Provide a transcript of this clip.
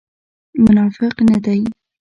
منافق نه دی.